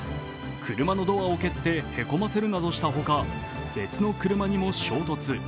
車のドアを蹴ってへこませるなどしたほか別の車にも衝突。